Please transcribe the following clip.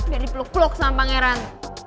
biar dipeluk peluk sama pangeran